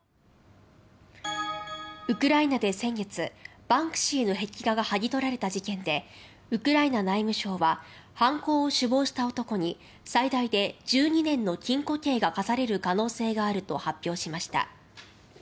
ウクライナで先月バンクシーの壁画がはぎ取られた事件でウクライナ内務省は犯行を首謀した男に最大で１２年の禁錮刑が科される可能性があると発表しました。